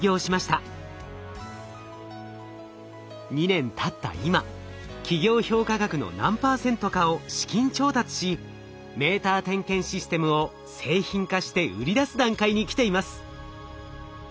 ２年たった今企業評価額の何％かを資金調達しメーター点検システムを製品化して売り出す段階にきています。